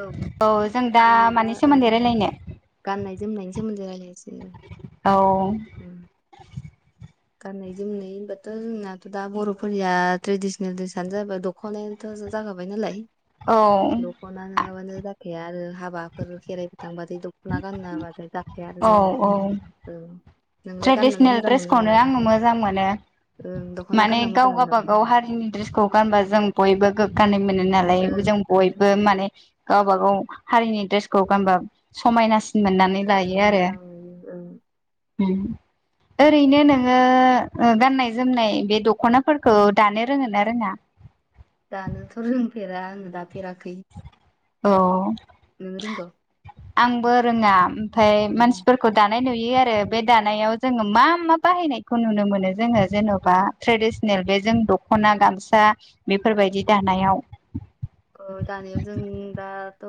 औ जों आं दा मानि सोमोन्दै रायलायनो गाननाय जोमनायनि सोमोन्दै रायज्लायनोसै औ। गाननाय जोमनाय होनबाथ' जोंनाथ' दा बर'फोरनिया ट्रेडिसनेल द्रेसआानो जाबाय दख'नायानोथ' जाखाबाय नालाय औ दख'ना नङाबानो जाखाया आरो हाबाफोर खेराइफोर थांबाथाय दख'ना गाननो बथाय गाखाया आरो औ जोंना औ औ। नोंलाय गाननानै मोजां मोनना मोना? आंबो मोजां मोनो ओं दख'ना माने गानना मोजां मोनो गावबा गाव हारिनि दड्रेसखौ गानबा जों बयबो गोग्गानाय मोनो आरो। ओं जों ओं बयबो मान गावब गाव हारिनि द्रेसखौ गा समायना मोननानै ओं लायो आरो। मोजां मोनो ओं ओरैनो नोङो गाननाय जोमनाय बे दख'नाफोरखौ दानो रोङो ना रोङा दानोथ' रोंफेरा आंनो दाफेराखै औ नों रोंगौ। आंबो रोङा ओमफ्राय मानसिफोरखौ दान दानाय नुयो आरो बे दानायाव जों मा मा बाहायनायखौुनो मोनो जोङो जेन'बा बेजों दख'ना गामसा बेफोरबायदि दानायाव दानिाव जों दाथ'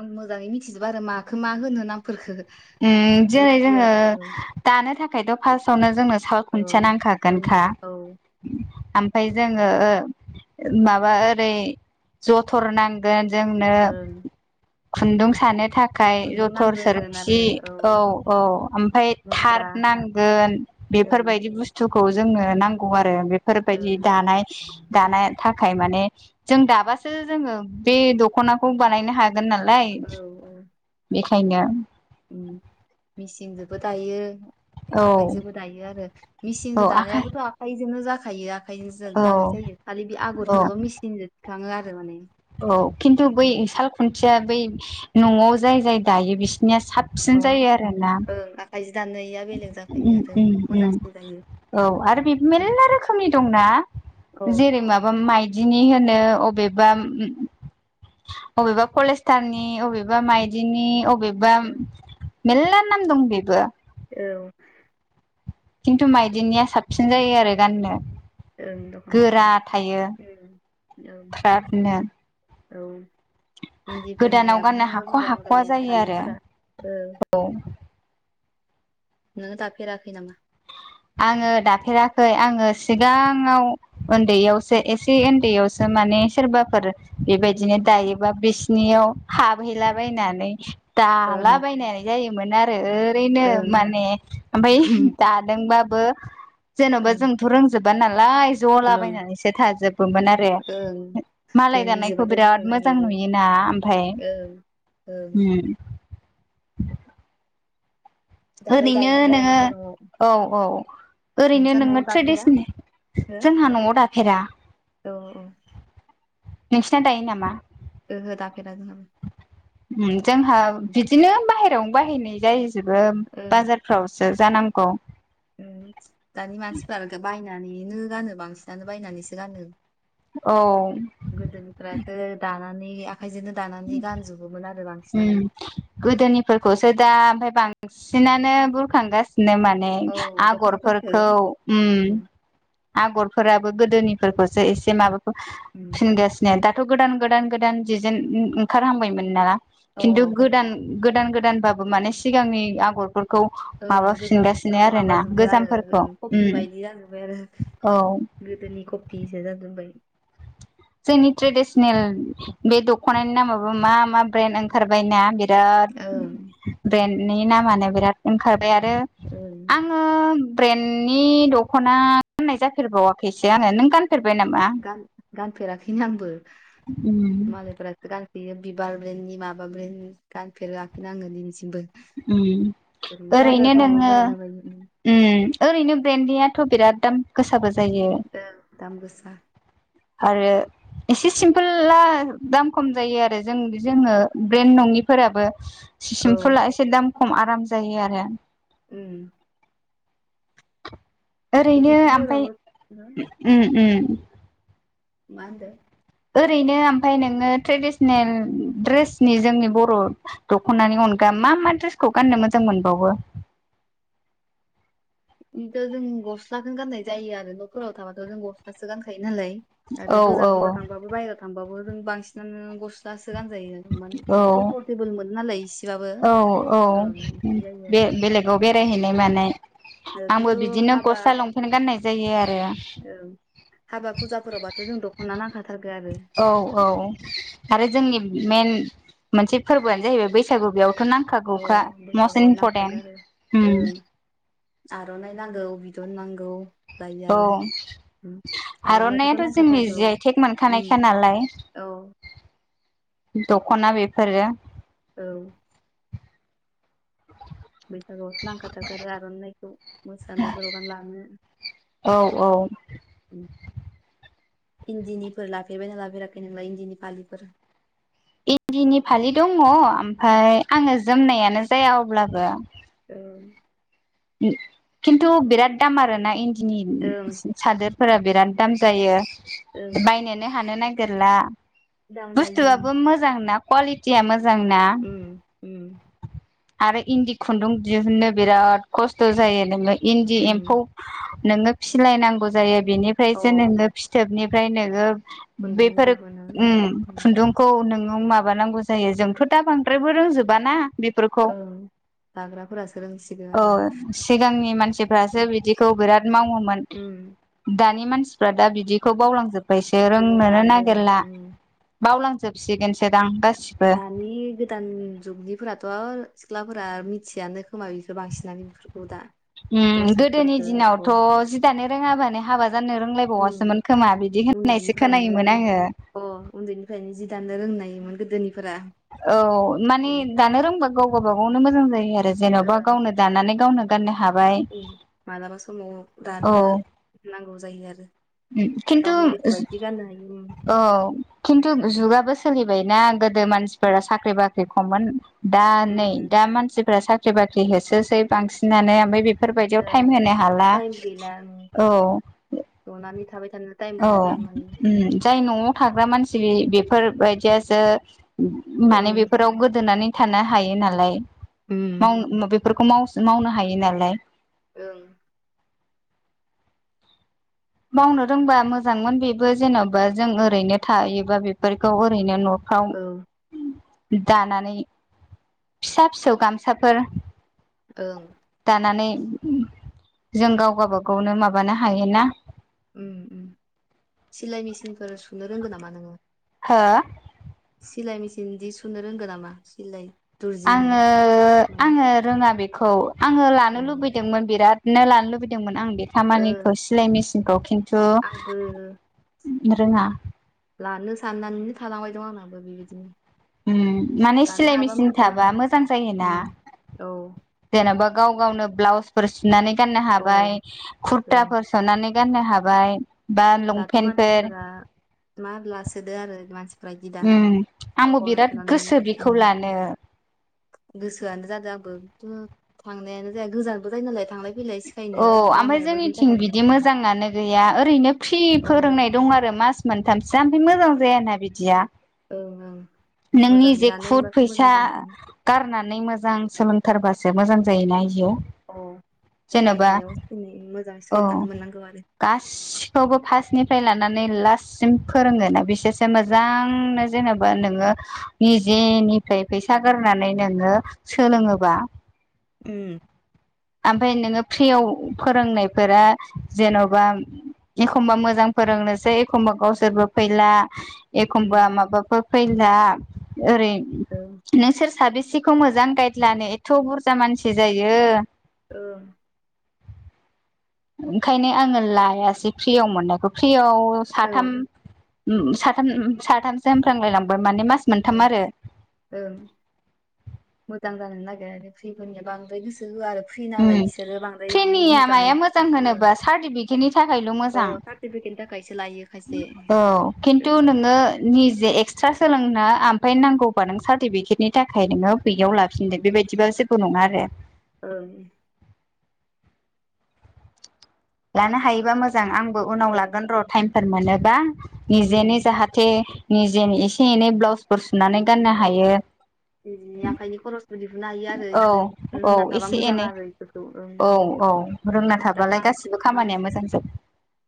आं मोजाङै मिथिजोबा आरो माखौ मा होनो नामखो जेरै जोङो दानो थाखायथ' फार्स्टआवनो जों साल खुन्थिया नांखागोनखा औ ओमफफ्राय जोङो माबा ओरै जथर नांगोन। जोंनो ओं खुन्दुं सानो थाखाय खुन्दुं जथर सोर [unintelligible] औ नांग्रोगोन आरो औ, ओमफ्राय थार मुस्रा नांगोन ओं बेफोरबायदि बुस्थुखौ [unintelligible] जोंनो नांगौ आरो। बेफोरबायदि ओं दानाय -दानाय थाखाय माने जों दाबासो जोङो बे दख'नाखौ बानायनो हागोन। हागोन नालाय औ बेखायनो मेसिनजोंबो दायो। औ आखायजोंबो दायो आरो। औ मिसिनजों आखाइ दानायाबोथ' आखाइजोंनो जाखायो। आखायजों जों औ दानाय जायो। खालि बे औ आगरखौल' मेसिनजों थिखाङो आरो माने औ खिन्थु, बै साल खुन्थिया बै न'आव जाय- जाय दायो बिसोर [unintelligible] अ साबसिन जायो आरोना। ओं [unintelligible] बेलेग जाखायो उम आरो उम उम मोजांसिन जायो। औ आरो बे मेरला रोखोमनि दंना औ जेरै माबा माइ बिदिनि होनो अबेबा अबेबा कलस्टारनि, अबेबा माइदिनि, अबेबा [unintelligible] मेरला नाम दं बेबो। औ। खिन्थु माइदिनिया साबसिन जायो आरो गाननो। ओं दख'नाफ्रा गोरा थायो उम औ फ्रादनो। औ। गोदानाव इन्दिफोरनिया गाननो हाख' मोजां हाख'वा जायो आरो फालिफोरा ओ नों दाफेराखै नामा? आङो दाफेराखै? आङो सिगाङाव उन्दैयावसो एसे उन्दैयावसो माने सोरबाफोर, बेबायदिनो दायोबा बिसिनियाव हाबहैलाबायनानै ओं दालाबायनाय जायोमोन आरो। ओरैनो ओं माने ओमफफ्राय दादोंबा [unintelligible] जेन'बा ओं जोंथ' रोंजोबा नालाय नालाय ओं ज'लाबायनानैसो थाजोबोमोन आरो। ओं मालाय रोङि दानायखौ जोबाथाय बिराद जनो मोजां नागिरो नुयोना ओमफ्राय। ओं ओं ओम दालाय ओरैनो दायोना दाया नोङो नोंसा न'आव औ औ। ओरैनो नोंसा न'आव नोङो दाफेरा ट्रेडिसनेल, हो जोंहा न'आव दाफेरा। औ औ। नोंसिना दायो नामा? ओहो दाफेरा जोंहाबो जोंहा बिदिनो बाहेरायावनो बायहैनाय जायैजोबो ओं बाजारफ्रावसो। जानांगौ। दानि मानसिफ्रा बायनानैनो गानो। बांसिनानो बायनानैसो गानो। औ गोदोनिफ्रासो दानानै आखाइजोंनो दानानै गानजोबोमोन आरो बांसिनानो ओम गोदोनिफोरखौसो दा, ओमफ्राय बांद्राय बांसिनानो बुरखांगासिनो बिदिनो माने औ दख'नाफोरखौ आगरफोरखौ, ओम, उम आगरफोराबो गोदोनि [unintelligible] एसे माबाखौ उम फिनगासिनो दाथ' गोदान- गोदान- गोदान दिजेन ओंखारहांबायमोन ना। अ खिन्थु गोदान- गोदान- गोदानबाबो माने सिगांनि आगरफोरखौ [unintelligible] ओं माबाफिनगासिनो गोजामनिखौसो आरोना माबाजोबदो आरो गोजामफोरखौ ओं कपि बायदि जाजोब्बाय आरो औ। गोदोनि कफिसो जाजोब्बाय। जोंनि ट्रेडिसनेल, बे दख'नानि नामाबो मा -मा ब्रेन्ड ओंखारबाय ना बे बिराद ओं ब्रेन्डनि नामानो बिराद ओंखारदों। ओमफ्राय आरो ओं आङो ब्रेन्डनि दख'ना गाननाय जाफेरबावाखैसो आङो। नों [unintelligible] गान-गानफेराखैनो आंबो उम मालायफोरासो गानो। बेयो बिबार ब्रेन्डनि, माबा ब्रेन्ड गानफेराखैनो आङो दिनैसिमबो। ओ ओरैनो बाजारफोराव नोङो बायलाबायो ओं ओरैनो ब्रेन्डियाथ' बिराद दाम गोसाबो जायो औ दाम गोसा आरो एसे सिमपोल दाम खम जायो आरो। जों जोङो ब्रेन्ड नङिफोराबो औ सिम्फुला एसे दाम खम आराम जायो आरो। उम ओरैनो बिदिथ' ओमफफ्राय बर'आवबो मा होनदों? ओरैनो ओमफफ्राय नोङो ट्रेडिसनेल दड्रेसनि जोंनि बर' दखनानि अनगा मा मा दड्रेसखौ गाननो मोजां मोनबावो? [inaudible] आंथ' जों गस्लाखौनो गाननाय जायो आरो न'फोराव थाबाथ' जों गस्लासो गानखायो नो होलाय आरो औ औ गोजानफोराव थांबाबो बायेरायाव थांबाबो जों बांसिनानो गस्लासो गानजायो औ कम्फरटेबोल मोनो नालाय इसे औ औ बे जायो बेलेगाव बे बेरायहैनाय आरो ओम, मानाय ओ, आंबो खिन्थु बिदिनो हाबा गस्ला लंपेन्ट गाननाय जायो आरो। ओं हाबा फुजाफोरावबाथ' जों दख'ना नांखाथारगो आरो। औ औ आरो जोंनि मेन मोनसे फोरबोआनो जाहैबाय बैसागु बेयाव अ बैसागुआव नांखागो आरो उम ओं आर'नाइ नांगौ बि दोननांगौ औ आर'नाइखौथ' आर'नाइयाथ' जोंनि नांखाथारगौ जइथेक ओम, मोनखानाय खा नालाय। औ [inaudible] दख'ना बेफोरो औ सोरावो नांखाथारगार आर'नाइखौ मोसानायफोराव गानलांङो। औ औ इन्दिनिफोर लाफेरबायना लाफेराखै नोंलाइ इन्दिनि फालिफोर? इन्दिनि फालि दङ ओमफाय आङो जोमनायानो जाया अब्लाबो। उम खिन्थु बिराद दाम आरो ना इन्दिनि ओं सादोर फोरा बिराद दाम जायो बायनो हानो नागिरला दाम जायो बुस्थुआबो मोजां ना क्वालिटिया मो उम उम आरो इन्दि खुन्दुं दिहुननो बिराद खस्थ' जायो नोङो इन्दि उम एम्फौ नोङो फिलायनांगौ जायो अ बिनिफ्रायसो नोङो फिथोबनिफ्राय नोङो खुन्दुं बेफोर दिहुनो उम खुन्दुंखौ नोङो माबानांगौ जायो जोंथ' दा बांद्रायबो रोंजोबाना। बेफोरखौ औ जागोन औ सिगांनि मानसिफ्रासो बिदिखौ बिराद बि मावोमोन उम दानि मानसिफ्रा दा बि इदिखौ बावलांजोबबायसो रोंनोनो रोंलानो नागिरला उम बावलांजोबसिगोनसोदां गा दानि गोदान जुगनिफोराथ' सिख्लाफोरा मिथियानो खोमा बेफोर बांसिनानो बेफोरखौ दा। उम गोदोनि प्रसेसफोरखौ दिनावथ' जि दानो रोङाबानो हाबा जानो रोंलायबाय उम उन्दैनिफ्रायनो आङो अ उन्दैनिफ्रायनो जि दानो रों नायमोन गोदोनि औ माने दानो रोंबा गाव गाबागावनो मोजां जायो आरो जेन'बा ओं गावनो दानानै गावनो गाननो हा मालाबा समाव औ दानो नांगौ जायो आरो। खिन्थु गावनि गोसो बायदि गाननो हायो उम औ खिन्थु जुगाबो सोलिबायनाा गोदो मानसिफोरा साख्रि बाख्रि खममोन दा नै उम दा मानसिफोरा साख्रि बाख्रि बाख्रि होसोसै बांसिनानो ओमफ्राय बेफोरबायदियाव औ टाइम होनो हाला। टाइम औ खुनानै थाबाय थानो टाइम औ मोनला मोन उम जाय नआव थाग्रा मानसिफोरबायदियास म माने ओं बेफोराव गोदोनानै थानो हायो नालाय उम माव बेफोरखौ मावनो हायो नालाय औ मावनो रोंबा मोजांमोन बेबो जेन'बा जों ओरैनो थायोबा बेफोरखौ ओरैनो न' औ। दानानै फिसा फिसौ गामसाफोर। ओं। नानै जों गाव गबागावनो माबानो हायो ना सिलाइ मेसिनफोर सुनो रोंगौ नामा नोंङो? हो सिलइ मेसिन इदि सुनो रोंगौ नामा सिलइ आंङो आंङो रोङा बेखौ आंङो लानो औ लुबैदोंमोन बिराद। नो लानो लुबैदोंमोन। आं बे ओ थामानिखौ सिलइ मेसिनखौ खि आंबो रोङा लानो साननानैनो थालांबाय दं आंनाबो बेबायदिनो। माने लानो सिलाय हाबा मेसिन मोजां थाबा मोजां जायोना उम औ जेन'बा गाव गावनो ब्लाउसफोर सुनानै गाननो औ हाबाय ओं कुरताफोर सुनानै गाननो हाबाय बा लंपेन्टफोर मार लासोदो आरो मानसिफ्रा बिदि दा उम गाव आंबो गावनो बिराद गोसो सुनानै बेखौ लानो गोसोआनो जादों आंबो थु थांनायानो जाया गोजानबो जायो नालाय थांनाय औ ओमफ्राय जोंनिथिं बिदि मोजाङानो गैया ओरैनो फ्रि औ ओं फोरोंनाय दं आरो मास मोनथामसो ओमफ्राय मोजां जायाना बिदिया ओं नोंनि मोजाङै जे लानो खुद मोनबासो मोजां फैसा जायो उम गारनानै नै मोजां सोलोंथारबासो मोजां जायोना बियो। अ सिखायनायाव जोंनि औ गास फावबो फार्स्टनिफ्राय लानानै लास्टसिम फोरोङोना बिसोरसो मोजांनो जेनेबा नोंङो निजेनिफ्राय फैसा गारनानै नोंङो सोलोङोबा उम। ओमफफ्राय नोंङो फ्रियाव फोरोंनायफोरा जेन'बा एखमबा मोजां फोरोंनोसै एखमबा गावसोरबो फैला उम एखमबा माबफोर फैयोला ओरै ओं नोंसोर साबेस एसेखौ मोजां गाइद लानो एथ' बुरजा मानसि जायो। औ ओंखायनो आंङो लायासै फ्रियाव मोननायखौ। फ्रियाव औ साथाम उम साथाम साथामसो होनफ्रांलायलांबाय माने मास औ मोनथाम आरो औ मो मोजां जानो नागिरा आरो फ्रिफोरनिया बांद्राय गोसो होआ आरो फ्रि नालाय उम बिसोरो बांद्राय बिदि प्रिनिया मोजाङै माया मोजां गोसो होआ होनोबा सार्टिफिकेटनि नि थाखायल' मोजां। अ सार्टिफिकेटनि थाखायसो लायो खायसे औ। खिन्थु नोंङो निजे एक्सट्रा सोलों आ ओमफ्राय नांगौबा नों सार्टिफिकेटनि थाखाय नोंङो बेयाव लाफिनदों बेबायदिबा जेबो नङा आरो। औ। लानो हायोबा मोजां आंबो उनाव ओं लागोन र' टाइमफोर मोनोबा। निजेनो उम जाहाथे निजे एसे एनै ब्लाउसफोर सुनानै गाननो अ हायो आखाइनि खरस [unintelligible] औ औ एसे एनै आरो बेफोरखौ ओं औ औ रोंना दा मा थाबालाय गासिबो बे मान- खामानिया मोजांसै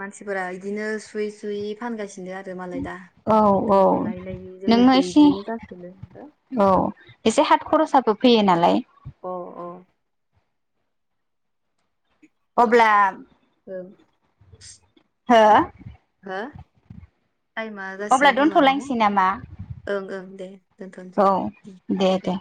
मानसिफोरा इदिनो सुयै सुयै फानगासिनो बिफिनो आरो मालाय दा औ औ ददि लायै लायै जोंनिखै नोङो एसे बिदिनो जाखो [unintelligible] औ एसे हाथ खरसाबो फैयो नालाय अ औ अब्ला औ हो टाइमा अब्ला जासिनो खोमा नोंथां दोनथ'लायनोसै नामा ओं ओं दे औ दे दे